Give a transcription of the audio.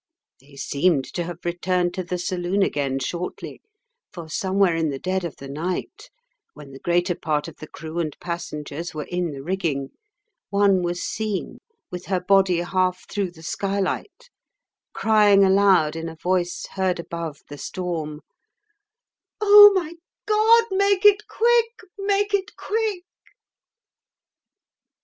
They seemed to have returned to the saloon again shortly, for somewhere in the dead of the night, when the greater part of the crew and passengers were in the rigging, one was seen with her body half through the skylight, crying aloud in a voice heard above the storm, "Oh, my God, make it quick! make it quick!"